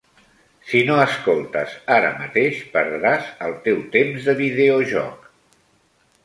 Si no escoltes ara mateix, perdràs el teu temps de videojoc.